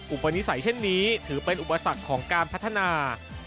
อุปนิสัยเช่นนี้ถือเป็นอุปสรรคของการพัฒนา